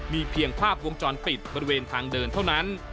มีเพียงภาพวงจรปิดบริเวณทางเดินเท่านั้น